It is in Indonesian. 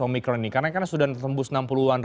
omikron ini karena sudah tertembus enam puluh an